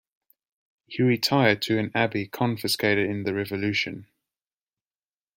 He retired to an abbey confiscated in the Revolution.